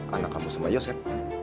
anak kamu sama yosep